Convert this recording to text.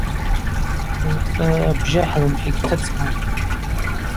Рцӏырра бжьы хӏлымхӏа йгьтыцӏуам.